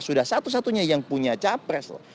sudah satu satunya yang punya capres loh